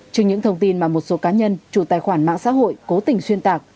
trên những thông tin mà một số cá nhân chủ tài khoản mạng xã hội cố tình xuyên tạc